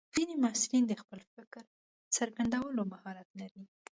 ځینې محصلین د خپل فکر څرګندولو مهارت لري.